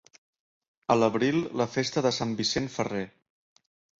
A l'abril la festa de sant Vicent Ferrer.